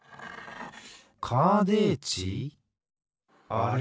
あれ？